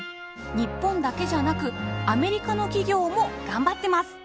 日本だけじゃなくアメリカの企業も頑張ってます。